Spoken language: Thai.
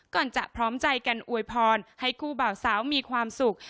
จะพร้อมใจกันอวยพรให้คู่บ่าวสาวมีความสุข